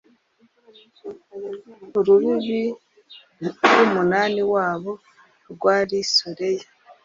urubibi rw'umunani wabo rwari soreya